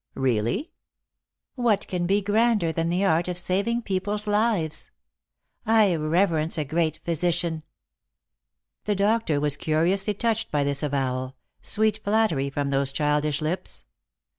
"EeallyP" " What can be grander than the art of saving people's lives ?— I reverence a great physician." The doctor was curiously touched by this avowal — sweet flattery from those childish lips.